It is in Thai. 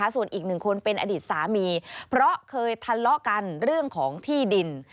ส่วนอีกหนึ่งคนเป็นอดีตสามีเพราะเคยทะเลาะกันเรื่องของที่ดิน